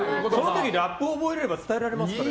ラップを覚えれば伝えられますから。